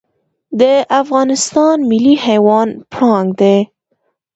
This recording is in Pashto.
د افغانستان ملي حیوان پړانګ دی